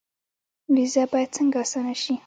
ویزه باید څنګه اسانه شي؟